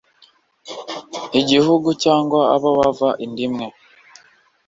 igihugu cyangwa abo bava inda imwe.